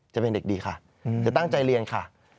จะเป็นเด็กดีค่ะจะตั้งใจเรียนค่ะ